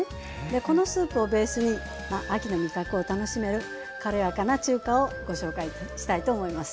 このスープをベースに秋の味覚を楽しめる軽やかな中華をご紹介したいと思います。